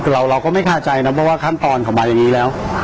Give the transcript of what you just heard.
เราก็ไม่ค่าใจนะเพราะขั้นปอนด์เขามาวันนี้แล้ว